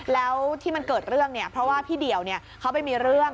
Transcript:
แล้วที่มันเกิดเรื่องเนี่ยเพราะว่าพี่เดี่ยวเขาไปมีเรื่อง